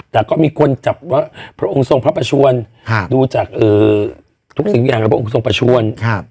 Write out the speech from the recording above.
แต่ก็มีคนจับว่าพระองค์ทรงพระประชวนดูจากทุกสิ่งอย่างแล้วพระองค์ทรงประชวน